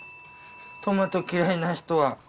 トマト嫌いな人は。